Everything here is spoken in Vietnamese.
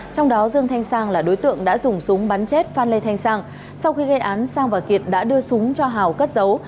trong đó dương thanh sang là đối tượng đã dùng súng bắn chết phan lê thanh sang sau khi gây án sang và kiệt đã đưa súng cho hào cất giấu